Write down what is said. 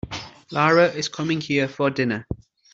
Lara is coming here for dinner.